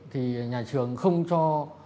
thì nhà trường không cho